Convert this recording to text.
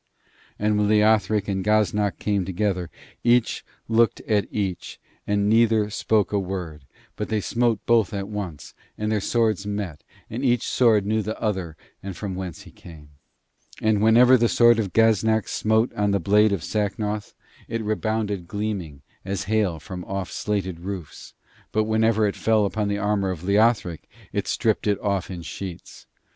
And when Leothric and Gaznak came together, each looked at each, and neither spoke a word; but they smote both at once, and their swords met, and each sword knew the other and from whence he came. And whenever the sword of Gaznak smote on the blade of Sacnoth it rebounded gleaming, as hail from off slated roofs; but whenever it fell upon the armour of Leothric, it stripped it off in sheets.